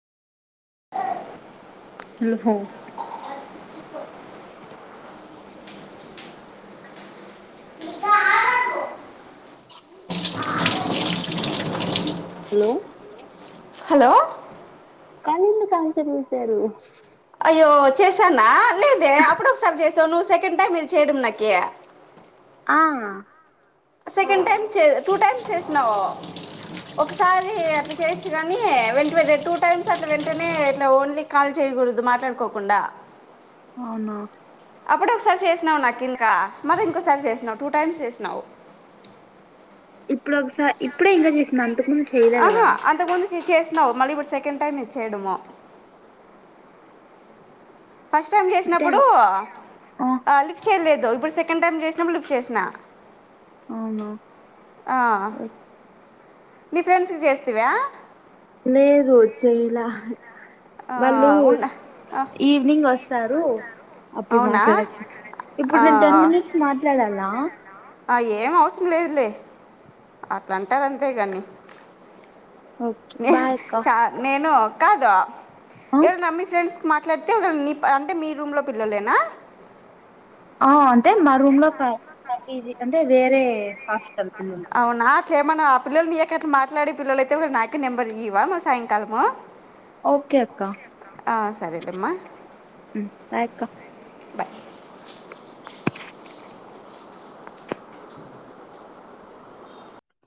లుహో hello hello కలింద calls చేశారు అయ్యో చేసానా లేదే అప్పుడు ఒకసారి చేసావు నువ్వు సెకండ్ టైమ్ ఇది చేయడం నాకి ఆ సెకండ్ టైమ్ చే టూ టైమ్స్ చేసినావు ఒకసారి అట్ల చేయచ్చు కానీ వెంట వెంట టూ టైమ్స్ అట్లా వెంటనే ఇట్లా ఓన్లీ కాల్ చేయకూడదు మాట్లాడుకోకుండా అవునా అప్పుడు ఒకసారి చేసినావు నాకు ఇంకా మరి ఇంకోసారి చేసినావు టూ టైమ్స్ చేసినావు ఇప్పుడు ఒకసా ఇప్పుడే ఇంకా చేసింది అంతకు ముందు చేయలా కదా చ్ చేసినావు మళ్ళీ ఇప్పుడు సెకండ్ టైమ్ ఇది చేయడము ఫస్ట్ టైమ్ అంటే చేసినప్పుడు ఆ లిఫ్ట్ చేయలేదు ఇప్పుడు సెకండ్ టైమ్ చేసినప్పుడు లిఫ్ట్ చేసిన అవునా ఓకే నీ ఫ్రెండ్స్ కి చేస్తివా లేదు చేయలా ఆ వాళ్ళు ఉన్న ఆ, ఈవినింగ్ వస్తారు అప్పుడు అవునా మాట్లాడచ్చు ఇప్పుడు ఆ, నేను టెన్ మినిట్స్ మాట్లాడాలా ఆ ఏం అవసరం లేదులే అట్లాంటారు అంతే కానీ ఓకే నేను బాయ్ అక్క చా నేను కాదా ఏడున్నారు మీ ఫ్రెండ్స్ మాట్లాడితే ఇగా ని అంటే మీ రూమ్ లో పిల్లలేనా ఆ అంటే మా రూమ్ లో ఒక ప్రతిదీ అంటే వేరే హాస్టల్ పిల్లలు అవునా ఏమన్నా ఆ పిల్లలుని [unintelligible] మాట్లాడి పిల్లలు అయితే నాకే నెంబర్ ఇయ్యవా సాయంకాలము ఓకే అక్క ఆ, సరేలేమ్మా హ్ బాయ్ అక్క బాయ్